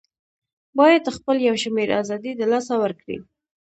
بايد خپل يو شمېر آزادۍ د لاسه ورکړي